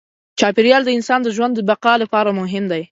چاپېریال د انسان د ژوند د بقا لپاره مهم دی.